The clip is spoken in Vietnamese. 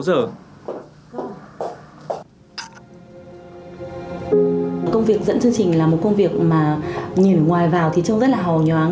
công việc dẫn chương trình là một công việc mà nhìn ở ngoài vào thì trông rất là hò nhóng